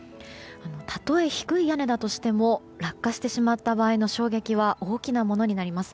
たとえ低い屋根だとしても落下してしまった場合の衝撃は大きなものになります。